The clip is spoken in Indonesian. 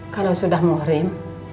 kalau sudah mohrim